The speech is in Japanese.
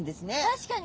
確かに。